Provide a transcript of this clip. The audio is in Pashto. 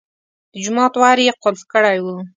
د جومات ور یې قلف کړی و.